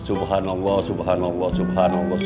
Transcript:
subhanallah subhanallah subhanallah